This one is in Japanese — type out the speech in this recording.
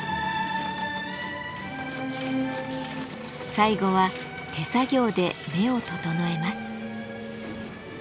最後は手作業で目を整えます。